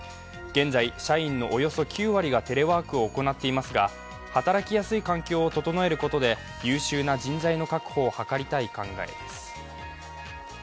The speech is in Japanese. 現在、社員のおよそ９割がテレワークを行っていますが、働きやすい環境を整えることで、優秀な人材の確保を図りたい考えです。